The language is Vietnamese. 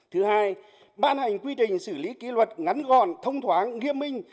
thứ hai ban hành quy trình xử lý kỷ luật ngắn gọn thông thoáng nghiêm minh